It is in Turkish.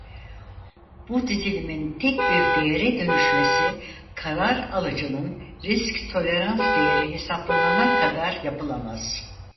Bu dizilimin tek bir değere dönüşmesi karar alıcının risk tolerans değeri hesaplanana kadar yapılamaz.